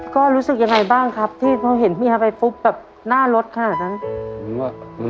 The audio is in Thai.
ก็รู้สึกยังไงบ้างครับที่พอเห็นเมียไปปุ๊บแบบหน้ารถขนาดนั้น